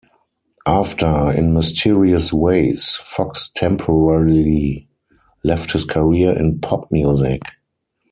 After "In Mysterious Ways", Foxx temporarily left his career in pop music.